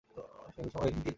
হেই, সবাই, এ দিক দিয়ে।